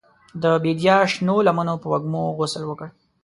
د بیدیا شنو لمنو په وږمو غسل وکړ